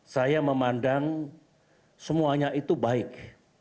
saya memandang semuanya itu baik